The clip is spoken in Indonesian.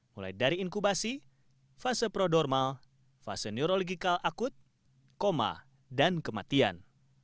mulai dari inkubasi fase prodormal fase neurological akut koma dan kematian